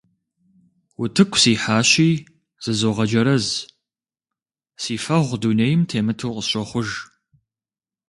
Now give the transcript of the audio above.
Утыку сихьащи, зызогъэджэрэз, си фэгъу дунейм темыту къысщохъуж.